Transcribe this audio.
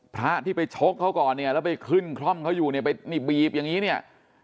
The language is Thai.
พระที่ไปชกเขาก่อนเนี่ยแล้วไปขึ้นคล่อมเขาอยู่เนี่ยไปนี่บีบอย่างนี้เนี่ย